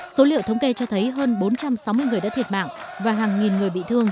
số liệu thống kê cho thấy hơn bốn trăm sáu mươi người đã thiệt mạng và hàng nghìn người bị thương